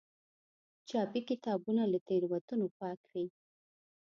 چاپي کتابونه له تېروتنو پاک وي.